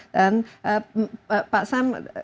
dan pak sam